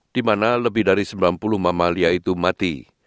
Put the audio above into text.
di mana lebih dari sembilan puluh mamalia itu mati